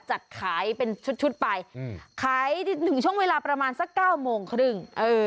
จัดขายเป็นชุดไปขายถึงช่วงเวลาประมาณสัก๙โมงครึ่ง